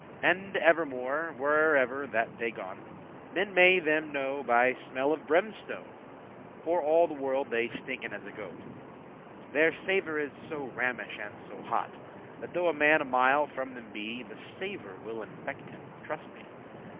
*cease And evermore, wherever that they gon, Men may them knowe by smell of brimstone; For all the world they stinken as a goat; Their savour is so rammish and so hot, That though a man a mile from them be, The savour will infect him, truste me.